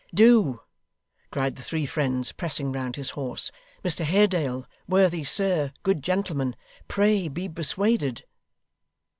'Do!' cried the three friends, pressing round his horse. 'Mr Haredale worthy sir good gentleman pray be persuaded.